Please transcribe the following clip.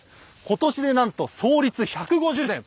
今年でなんと創立１５０年。